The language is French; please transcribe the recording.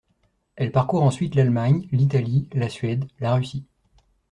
Elle parcourt ensuite l'Allemagne, l'Italie, la Suède, la Russie.